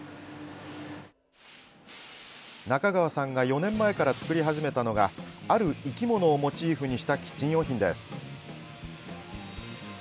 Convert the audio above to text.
中川さんが４年前から作り始めたのがある生き物をモチーフにしたキッチン用品です。